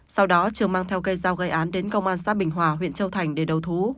sau đó trường mang theo cây dao gây án đến công an xã bình hòa huyện châu thành để đầu thú